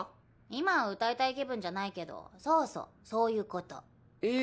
今歌いたい気分じゃないけどそうそうそういうこと。